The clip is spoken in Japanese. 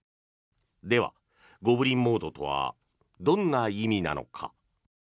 では、ゴブリン・モードとはどんな意味なのか。